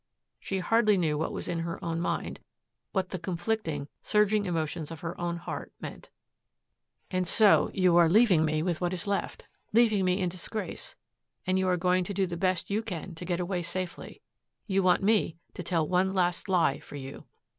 She hardly knew what was in her own mind, what the conflicting, surging emotions of her own heart meant. "And so, you are leaving me what is left, leaving me in disgrace, and you are going to do the best you can to get away safely. You want me to tell one last lie for you."